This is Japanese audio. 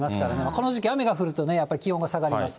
この時期、雨が降るとね、やっぱり気温が下がります。